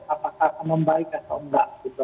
apakah akan membaik atau enggak gitu